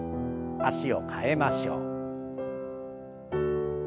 脚を替えましょう。